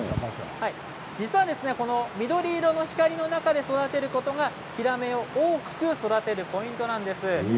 実はこの緑色の光の中で育てることが、ヒラメを大きく育てるポイントなんです。